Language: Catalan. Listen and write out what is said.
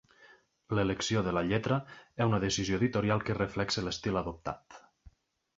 L'elecció de la lletra és una decisió editorial que reflexa l'estil adoptat.